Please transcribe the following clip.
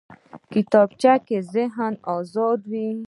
کتابچه کې ذهن ازاد وي